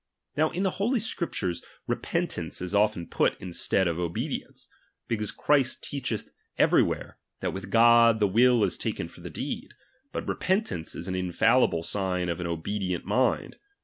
Now in holy Scriptures, repentance is often put instead of obedience; because Christ teacheth every where, that with God the will is taken for the deed; but repentance is an infallible sign of an obedient mind.